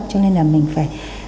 cho nên là mình phải